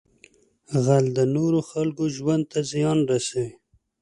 غل د نورو خلکو ژوند ته زیان رسوي